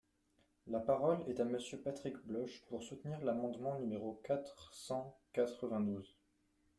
La parole est à Monsieur Patrick Bloche, pour soutenir l’amendement numéro quatre cent quatre-vingt-douze.